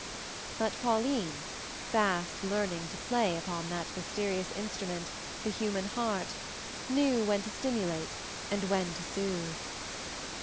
But Pauline, fast learning to play upon that mysterious instrument, the human heart, knew when to stimulate and when to soothe.